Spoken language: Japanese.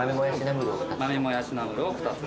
豆もやしナムルを２つ。